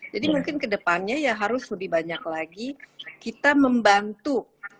jadi mungkin ke depannya harus lebih banyak lagi kita membantu